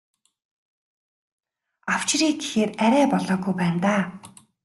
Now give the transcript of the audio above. Авчиръя гэхээр арай болоогүй байна даа.